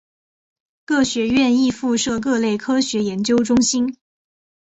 各学院亦附设各类科学研究中心。